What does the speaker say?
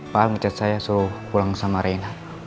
pak almecat saya suruh pulang sama reina